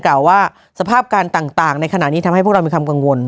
กล่าวว่าสภาพการต่างในขณะนี้ทำให้พวกเรามีความกังวล